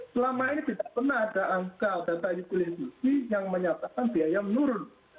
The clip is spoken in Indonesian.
selama ini tidak pernah ada angka data yang menyatakan biaya menurun